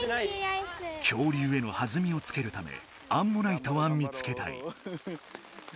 恐竜へのはずみをつけるためアンモナイトは見つけたい。